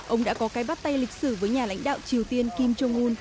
ông đã có cái bắt tay lịch sử với nhà lãnh đạo triều tiên kim jong un